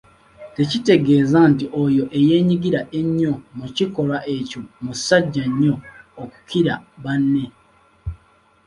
Tekitegeeza nti oyo eyeenyigira ennyo mu kikolwa ekyo musajja nnyo okukira banne.